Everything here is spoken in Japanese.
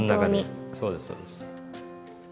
そうですそうです。